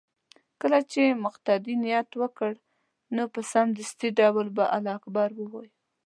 كله چې مقتدي نيت وكړ نو په سمدستي ډول به الله اكبر ووايي